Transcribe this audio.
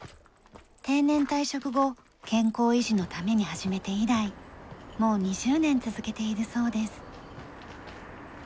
定年退職後健康維持のために始めて以来もう２０年続けているそうです。